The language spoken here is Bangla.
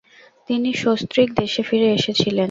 তিনি সস্ত্রীক দেশে ফিরে এসেছিলেন।